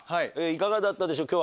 いかがだったでしょう？